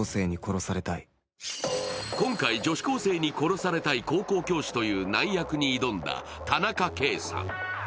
今回、女子高生に殺されたい高校教師という難役に挑んだ田中圭さん。